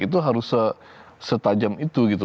itu harus setajam itu gitu